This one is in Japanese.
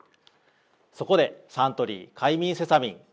そこでサントリー「快眠セサミン」！